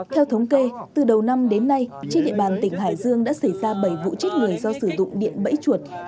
theo thống kê từ đầu năm đến nay trên địa bàn tỉnh hải dương đã xảy ra bảy vụ chết người do sử dụng điện bẫy chuột